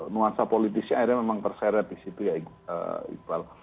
nuansa politisnya akhirnya memang terseret di situ ya iqbal